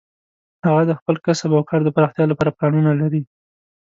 هغه د خپل کسب او کار د پراختیا لپاره پلانونه لري